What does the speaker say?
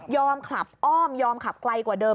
ขับอ้อมยอมขับไกลกว่าเดิม